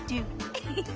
ウフフフ。